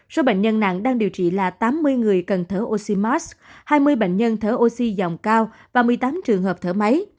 số bệnh nhân nặng đang điều trị là tám mươi người cần thở oxymos hai mươi bệnh nhân thở oxy dòng cao và một mươi tám trường hợp thở máy